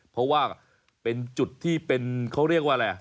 เพราะว่าเป็นจุดที่เป็นเขาเรียกว่าอะไร